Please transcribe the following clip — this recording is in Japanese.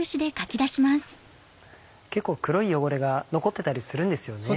結構黒い汚れが残ってたりするんですよね。